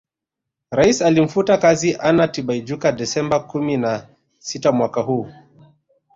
Rais alimfuta kazi Anna Tibaijuka Desemba kumi na sita mwaka huu